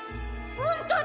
ほんとだ！